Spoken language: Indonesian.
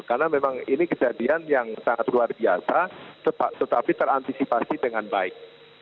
karena memang ini kejadian yang sangat luar biasa tetapi terantisipasi dengan baik